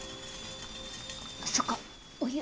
そっかお湯。